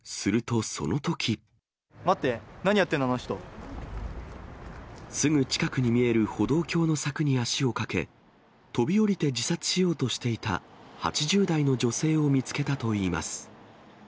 待って、すぐ近くに見える歩道橋の柵に足をかけ、飛び降りて自殺しようとしていた８０代の女性を見つけたといいます。